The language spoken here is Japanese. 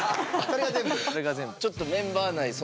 ちょっとメンバー内